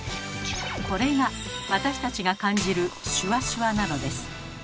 これが私たちが感じるシュワシュワなのです。